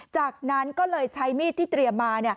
จากนั้นก็เลยใช้มีดที่เตรียมมา